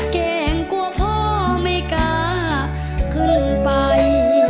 แกล้งกลัวพ่อไม่กล้าขึ้นไป